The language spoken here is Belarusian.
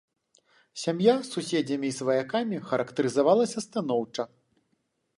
Сям'я суседзямі і сваякамі характарызавалася станоўча.